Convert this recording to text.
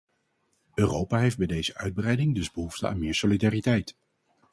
Europa heeft bij deze uitbreiding dus behoefte aan meer solidariteit.